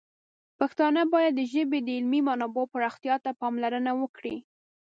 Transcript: پښتانه باید د ژبې د علمي منابعو پراختیا ته پاملرنه وکړي.